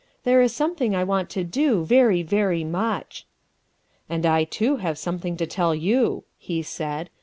There is something I want to do very, very much. '' "And I too have something to tell you," he said.